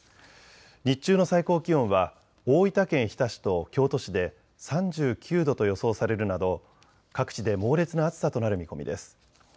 日中の最高気温は大分県日田市と京都市で３９度と予想されるなど各地で猛烈な暑さとなる見込みです。